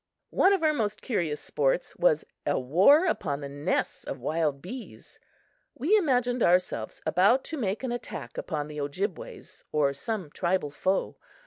One of our most curious sports was a war upon the nests of wild bees. We imagined ourselves about to make an attack upon the Ojibways or some tribal foe.